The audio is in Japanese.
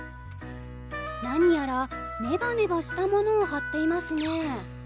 何やらネバネバしたものを張っていますね。